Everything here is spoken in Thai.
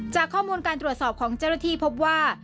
จากการตรวจสอบของเจ้าหน้าที่พบว่า